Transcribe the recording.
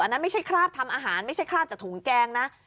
นั่นไม่ใช่คราบทำอาหารไม่ใช่คราบจากถุงแกงนะ